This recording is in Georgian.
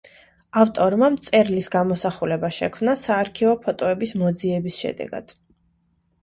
ავტორმა მწერლის გამოსახულება შექმნა საარქივო ფოტოების მოძიების შედეგად.